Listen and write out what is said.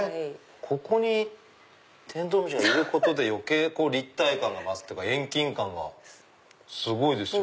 ここにテントウムシがいることで余計立体感が増すというか遠近感がすごいですよ。